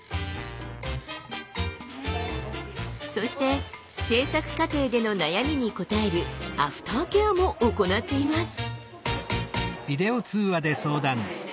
そして制作過程での悩みに答えるアフターケアも行っています。